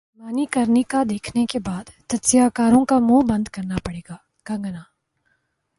منیکارنیکا دیکھنے کے بعد تجزیہ کاروں کو منہ بند کرنا پڑے گا کنگنا